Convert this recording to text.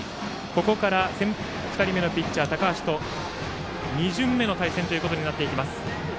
ここから２人目のピッチャー高橋と２巡目の対戦となっていきます。